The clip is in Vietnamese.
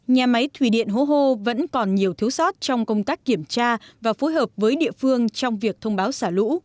nhà máy thủy điện hố hô vẫn còn nhiều thiếu sót trong công tác kiểm tra và phối hợp với địa phương trong việc thông báo xả lũ